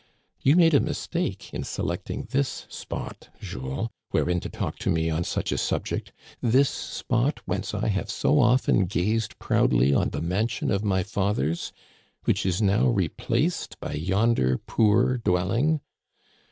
You made a mistake in se lecting this spot, Jules, wherein to talk to me on such a subject — this spot whence I have so often gazed proudly on the mansion of my fathers, which is now replaced by yonder poor dwelling.